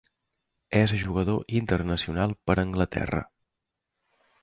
És jugador internacional per Anglaterra.